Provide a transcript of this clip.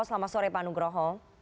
selamat sore pak nugroho